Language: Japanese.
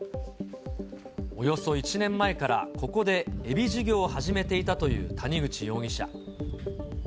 およそ１年前からここでエビ事業を始めていたという谷口容疑者。